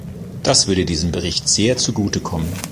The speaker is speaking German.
Das würde diesem Bericht sehr zugute kommen.